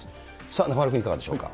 さあ、中丸君、いかがでしょうか。